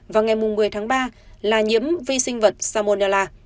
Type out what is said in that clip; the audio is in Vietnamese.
vào ngày một mươi tháng ba là nhiễm vi sinh vật samonella